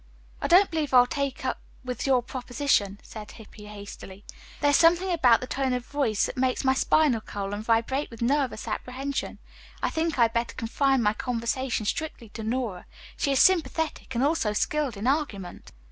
"I don't believe I'll take up with your proposition," said Hippy hastily. "There is something about the tone of your voice that makes my spinal column vibrate with nervous apprehension. I think I had better confine my conversation strictly to Nora. She is sympathetic and also skilled in argument."